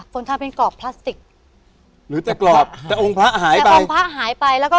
คนทำเป็นกรอบพลาสติก